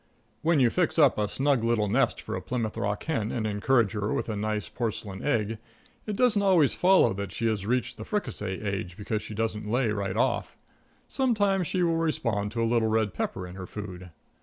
When you fix up a snug little nest for a Plymouth Rock hen and encourage her with a nice porcelain egg, it doesn't always follow that she has reached the fricassee age because she doesn't lay right off. Sometimes she will respond to a little red pepper in her food.